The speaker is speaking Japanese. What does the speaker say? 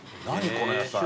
この野菜。